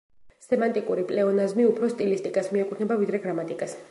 სემანტიკური პლეონაზმი უფრო სტილისტიკას მიეკუთვნება, ვიდრე გრამატიკას.